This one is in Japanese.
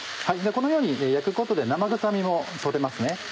このように焼くことで生臭みも取れますね。